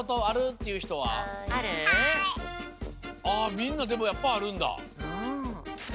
みんなでもやっぱあるんだ。